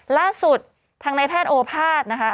ล่าสุดทางในแพทย์โอภาษย์นะคะ